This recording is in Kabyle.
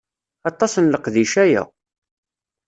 Aṭas n leqdic aya.